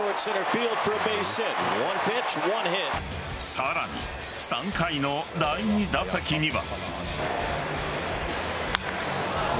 さらに、３回の第２打席には。